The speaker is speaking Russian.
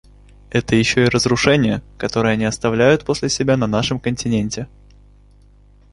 Это еще и разрушения, которые они оставляют после себя на нашем континенте.